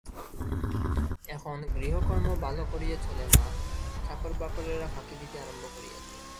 এখন গৃহকর্ম ভালো করিয়া চলে না–চাকরবাকরেরা ফাঁকি দিতে আরম্ভ করিয়াছে।